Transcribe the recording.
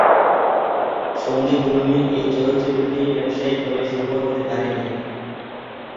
সঙ্গীতধর্মী এই চলচ্চিত্রটি ব্যবসায়িকভাবে সফল হতে পারেনি।